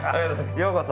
ようこそ。